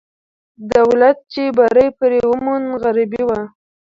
دولت چې بری پرې وموند، غربي وو.